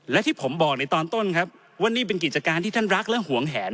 และที่ผมบอกในตอนต้นครับว่านี่เป็นกิจการที่ท่านรักและห่วงแหน